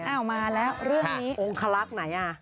อ้าวมาแล้วเรื่องนี้องคลักษณ์ไหนอ่ะ